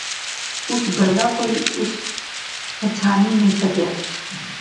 اس گلاہ کوئی اس پچھانی نی سکیا